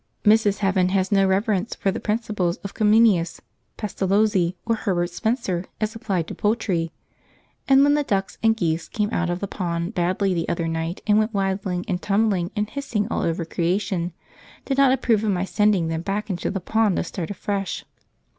{The geese ... cross the rickyard: p54.jpg} Mrs. Heaven has no reverence for the principles of Comenius, Pestalozzi, or Herbert Spencer as applied to poultry, and when the ducks and geese came out of the pond badly the other night and went waddling and tumbling and hissing all over creation, did not approve of my sending them back into the pond to start afresh.